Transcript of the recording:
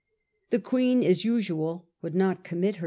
The Queen, as usual, would not commit herself.